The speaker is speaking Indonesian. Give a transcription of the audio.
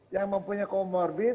yang mempunyai comorbid